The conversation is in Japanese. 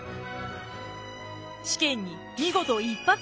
試験に見事一発で合格！